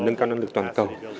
nâng cao năng lực toàn cầu